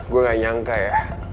gue gak nyangka ya